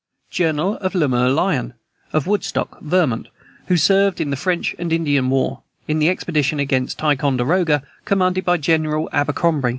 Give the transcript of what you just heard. Journal of Lemuel Lyon, of Woodstock, Vermont, who served in the French and Indian war, in the expedition against Ticonderoga, commanded by General Abercrombie.